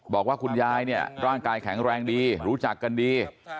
บอกว่าคุณยายเนี่ยร่างกายแข็งแรงดีรู้จักกันดี